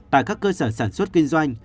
tại các cơ sở sản xuất kinh doanh